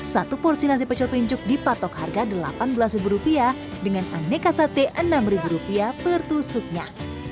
satu porsi nasi pecel pincuk dipatok harga delapan belas ribu rupiah dengan aneka sate enam ribu rupiah per tusuknya